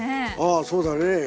あそうだね。